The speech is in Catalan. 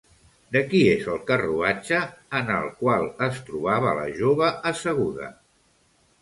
De qui és el carruatge en el qual es trobava la jove asseguda?